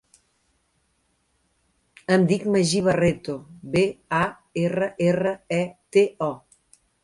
Em dic Magí Barreto: be, a, erra, erra, e, te, o.